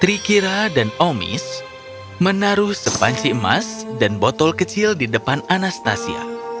trikira dan omis menaruh sepanci emas dan botol kecil di depan anastasia